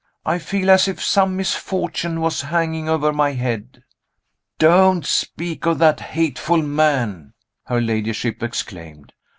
I feel as if some misfortune was hanging over my head." "Don't speak of that hateful man!" her ladyship exclaimed.